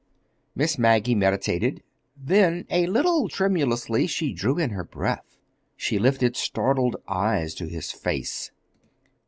Miss Maggie meditated; then, a little tremulously she drew in her breath. She lifted startled eyes to his face.